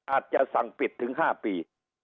อาจจะสั่งปิดถึง๕ปี